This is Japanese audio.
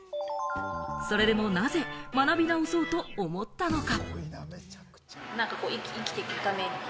それでもなぜ学び直そうと思ったのか？